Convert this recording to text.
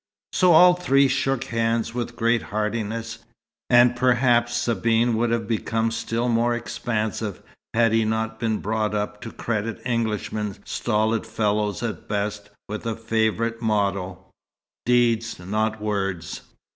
So all three shook hands with great heartiness; and perhaps Sabine would have become still more expansive had he not been brought up to credit Englishmen stolid fellows at best with a favourite motto: "Deeds, not words."